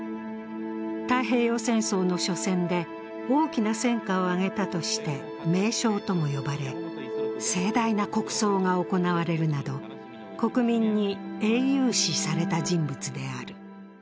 太平洋戦争の緒戦で大きな戦果を挙げたとして名将とも呼ばれ、盛大な国葬が行われるなど国民に英雄視された人物である。